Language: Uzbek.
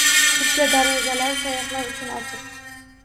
Turkiya darvozalari sayyohlar uchun ochiq